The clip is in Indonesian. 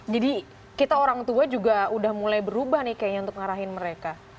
jadi kita orang tua juga udah mulai berubah nih kayaknya untuk ngarahin mereka